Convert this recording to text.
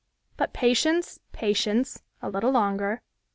But patience, patience, a little longer.